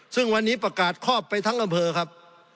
ซึ่งวันนี้ประกาศครอบไปทั้งอำเภอครับ